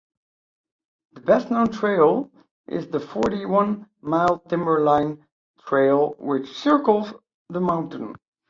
The best known trail is the forty-one mile Timberline Trail which circles the mountain.